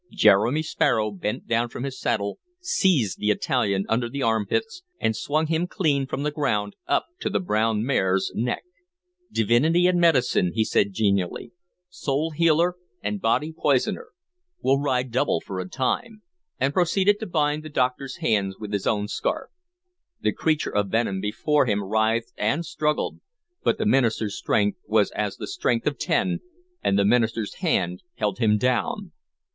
Jeremy Sparrow bent down from his saddle, seized the Italian under the armpits, and swung him clean from the ground up to the brown mare's neck. "Divinity and medicine," he said genially, "soul healer and body poisoner, we'll ride double for a time," and proceeded to bind the doctor's hands with his own scarf. The creature of venom before him writhed and struggled, but the minister's strength was as the strength of ten, and the minister's hand held him down.